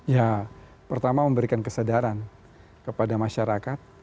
ya pertama memberikan kesadaran kepada masyarakat